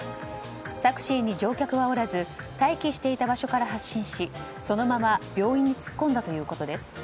タクシーに乗客はおらず待機していた場所から発進しそのまま病院に突っ込んだということです。